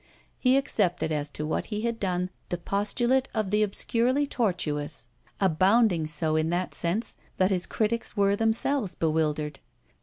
He accepted as to what he had done the postulate of the obscurely tortuous, abounding so in that sense that his critics were themselves bewildered.